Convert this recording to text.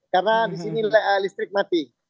karena di sini listrik mati